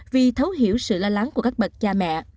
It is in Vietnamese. vì thấu hiểu sự lo lắng của các bậc cha mẹ